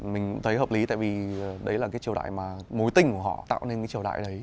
mình thấy hợp lý tại vì đấy là cái triều đại mà mối tình của họ tạo nên cái triều đại đấy